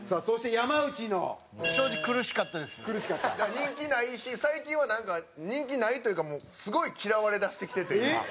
濱家：人気ないし最近は人気ないというかすごい嫌われだしてきてて、今。